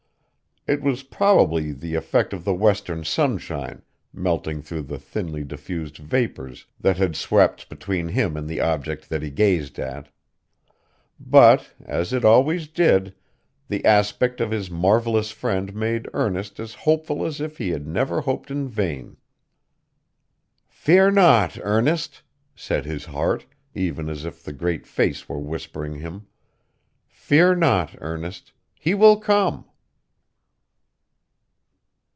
It was probably the effect of the western sunshine, melting through the thinly diffused vapors that had swept between him and the object that he gazed at. But as it always did the aspect of his marvellous friend made Ernest as hopeful as if he had never hoped in vain. 'Fear not, Ernest,' said his heart, even as if the Great Face were whispering him 'fear not, Ernest; he will come.